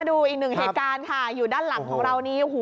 มาดูอีกหนึ่งเหตุการณ์ค่ะด้านหลังของเรานี้